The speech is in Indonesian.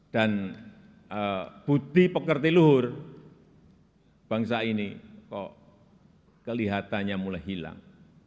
dan budi pekerti luhur bangsa ini kok kelihatannya mulai hilang